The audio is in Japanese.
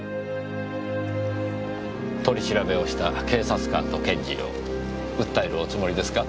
取り調べをした警察官と検事を訴えるおつもりですか？